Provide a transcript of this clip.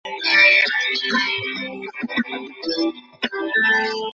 ও সম্ভবত আজ রাতে অনুশীলন করছে।